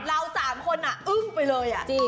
เราสามคนอ่ะอึ้งไปเลยอ่ะ